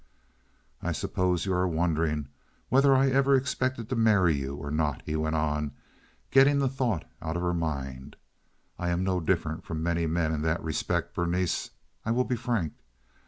"I suppose you are wondering whether I ever expected to marry you or not," he went on, getting the thought out of her mind. "I am no different from many men in that respect, Berenice. I will be frank.